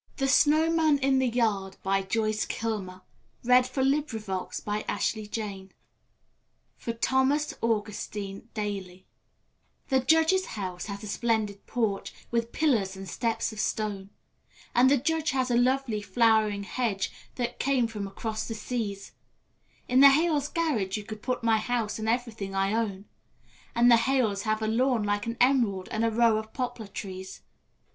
ast it leads to a golden Town where golden Houses are. The Snowman in the Yard (For Thomas Augustine Daly) The Judge's house has a splendid porch, with pillars and steps of stone, And the Judge has a lovely flowering hedge that came from across the seas; In the Hales' garage you could put my house and everything I own, And the Hales have a lawn like an emerald and a row of poplar trees.